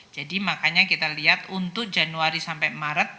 jadi makanya kita lihat untuk januari sampai maret